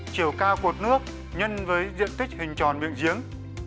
chiều cao cột nước nhân với diện tích hình tròn bị giếng